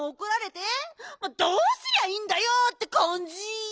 「どうすりゃいいんだよ」ってかんじ！